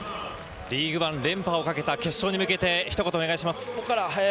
リーグワン連覇を向けた決勝に向けてお願いします。